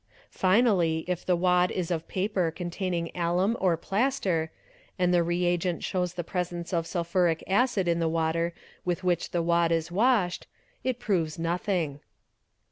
Finally, if the wad is of paper contain ing alum or plaster, and the reagent shows the presence of sulphuric | acid in the water with which the wad is washed, it proves nothing.